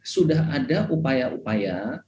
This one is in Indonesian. sudah ada upaya upaya